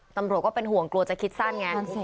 ตำรวจก็เป็นห่วงกลัวจะคิดสั้นไง